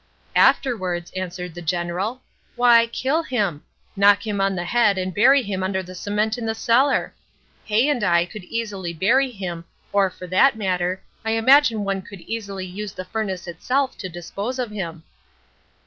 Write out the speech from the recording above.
"'Afterwards,' answered the General, 'why kill him! Knock him on the head and bury him under the cement in the cellar. Hay and I could easily bury him, or for that matter I imagine one could easily use the furnace itself to dispose of him.'